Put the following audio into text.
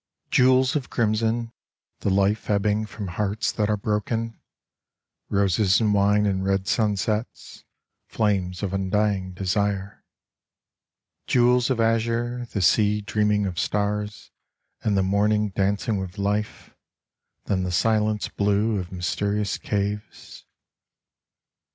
Jewels of crimson, the life Ebbing from hearts that are broken, Roses and wine and red sunsets, Flames of undying desire. Jewels of azure, the sea Dreaming of stars, and the morning Dancing with life, then the silence Blue of mysterious caves.